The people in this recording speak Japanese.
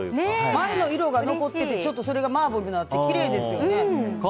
前の色が残っててそれがマーブルになってきれいですよね。